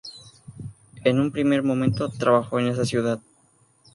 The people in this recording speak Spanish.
En un primer momento trabajó en esa ciudad.